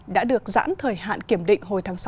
đã được giãn thời hạn kiểm định hồi tháng sáu